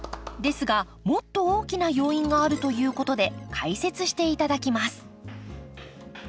ですがもっと大きな要因があるということで解説して頂きます